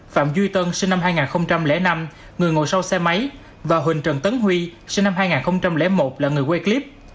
phạm duy tân sinh năm hai nghìn năm người ngồi sau xe máy và huỳnh trần tấn huy sinh năm hai nghìn một là người quay clip